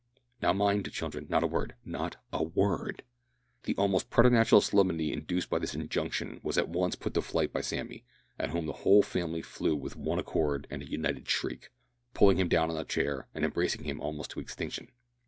"Now, mind, children, not a word not a word!" The almost preternatural solemnity induced by this injunction was at once put to flight by Sammy, at whom the whole family flew with one accord and a united shriek pulling him down on a chair and embracing him almost to extinction.